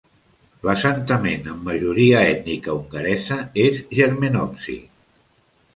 L'assentament amb majoria ètnica hongaresa, és Jermenovci.